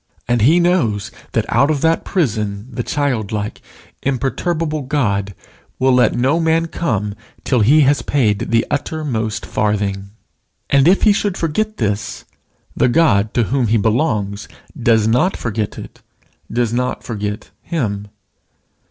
And he knows that out of that prison the childlike, imperturbable God will let no man come till he has paid the uttermost farthing. And if he should forget this, the God to whom he belongs does not forget it, does not forget him.